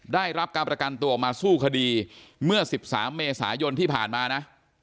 ได้รับการประกันตัวออกมาสู้คดีเมื่อ๑๓เมษายนที่ผ่านมานะ